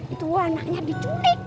itu anaknya diculik